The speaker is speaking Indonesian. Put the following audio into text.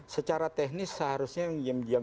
secara teknis seharusnya yang diam